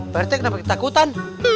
pak rt kenapa kita takutan